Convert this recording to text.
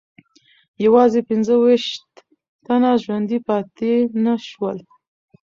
یوازې پنځه ویشت تنه ژوندي پاتې نه سول.